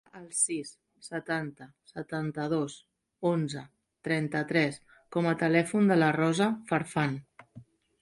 Guarda el sis, setanta, setanta-dos, onze, trenta-tres com a telèfon de la Rosa Farfan.